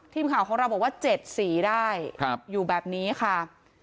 ทีมข่าวของเราบอกว่า๗สีได้อยู่แบบนี้ค่ะ